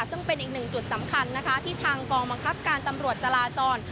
ซึ่งเป็นอีกหนึ่งจุดสำคัญนะคะที่ทางกองบังคับการตำรวจจราจร